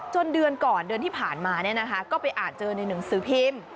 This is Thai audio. เดือนก่อนเดือนที่ผ่านมาก็ไปอ่านเจอในหนังสือพิมพ์